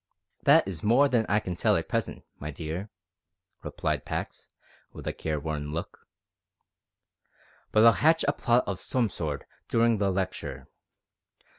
"That is more than I can tell at present, my dear," replied Pax, with a careworn look, "but I'll hatch a plot of some sort durin' the lecture.